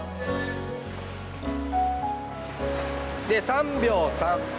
３秒３。